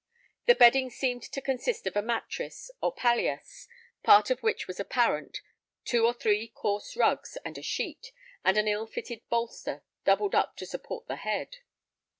The bedding seemed to consist of a mattress or palliass, part of which was apparent, two or three coarse rugs and a sheet, with an ill filled bolster, doubled up to support the head.